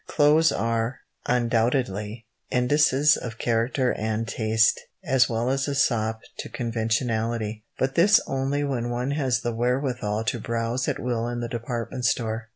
Clothes are, undoubtedly, indices of character and taste, as well as a sop to conventionality, but this only when one has the wherewithal to browse at will in the department store.